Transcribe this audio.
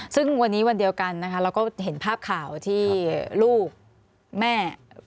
ซึ่งวันนี้วันเดียวกันนะคะเราก็เห็นภาพข่าวที่ลูกแม่